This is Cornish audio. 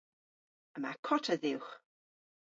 Yma kota dhywgh.